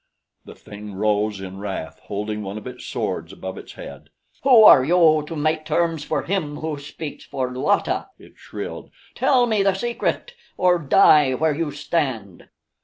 The thing rose in wrath, holding one of its swords above its head. "Who are you to make terms for Him Who Speaks for Luata?" it shrilled. "Tell me the secret or die where you stand!"